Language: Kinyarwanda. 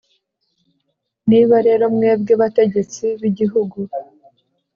niba rero, mwebwe bategetsi b'igihugu